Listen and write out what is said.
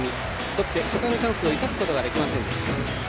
ロッテ、初回のチャンスを生かすことはできませんでした。